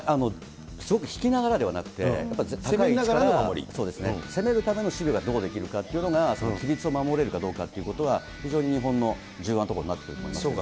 すごく引きながらではなくて、やっぱり、攻めるための守備が、どうできるかというのが、規律を守れるかどうかというところは、非常に日本の重要なところになってくると思いますね。